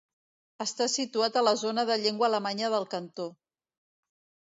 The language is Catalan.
Està situat a la zona de llengua alemanya del cantó.